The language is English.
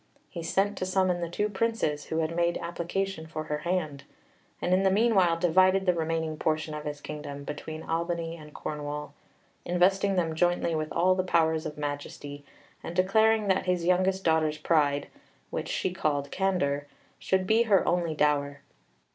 He sent to summon the two Princes who had made application for her hand, and in the meanwhile divided the remaining portion of his kingdom between Albany and Cornwall, investing them jointly with all the powers of majesty, and declaring that his youngest daughter's pride, which she called candour, should be her only dower.